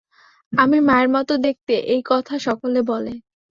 আমি মায়ের মতো দেখতে এই কথা সকলে বলে।